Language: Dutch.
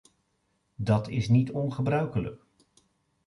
Dat is niet ongebruikelijk.